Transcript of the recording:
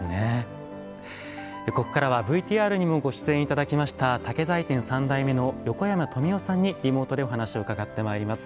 ここからはＶＴＲにもご出演頂きました竹材店三代目の横山富男さんにリモートでお話を伺ってまいります。